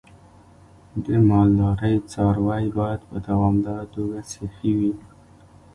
د مالدارۍ څاروی باید په دوامداره توګه صحي وي.